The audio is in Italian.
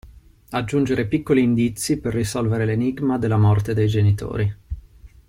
Aggiungere piccoli indizi per risolvere l'enigma della morte dei genitori.